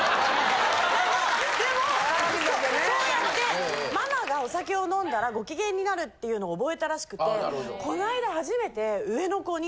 でもでもそうやってママがお酒を飲んだらご機嫌になるっていうのを覚えたらしくてこないだ初めて上の子に。